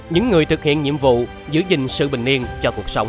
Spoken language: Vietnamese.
những người thực hiện nhiệm vụ giữ gìn sự bình yên cho cuộc sống